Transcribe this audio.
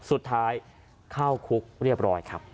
สุดท้ายเข้าคุกเรียบร้อยครับ